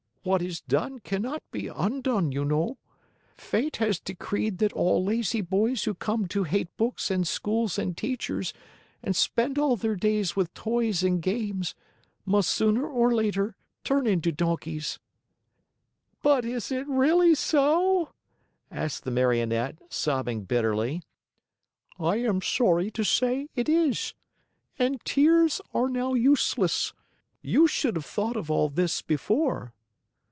What is done cannot be undone, you know. Fate has decreed that all lazy boys who come to hate books and schools and teachers and spend all their days with toys and games must sooner or later turn into donkeys." "But is it really so?" asked the Marionette, sobbing bitterly. "I am sorry to say it is. And tears now are useless. You should have thought of all this before."